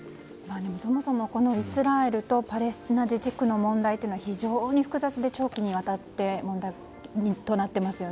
そもそもイスラエルとパレスチナ自治区の問題は非常に複雑で長期にわたって問題となっていますよね。